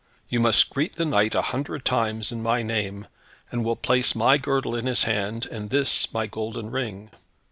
"You must greet the knight a hundred times in my name, and will place my girdle in his hand, and this my golden ring."